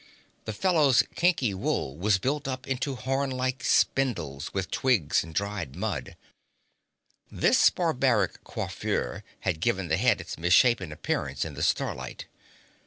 The fellow's kinky wool was built up into horn like spindles with twigs and dried mud. This barbaric coiffure had given the head its misshapen appearance in the starlight.